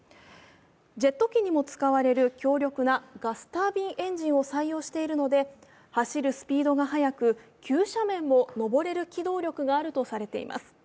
ジェット機にも使われる強力なガスタービンエンジンを使用しているので走るスピードが速く、急斜面も上れる機動力があるとされています。